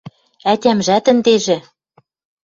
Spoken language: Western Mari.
Ӓтямжӓт ӹндежӹ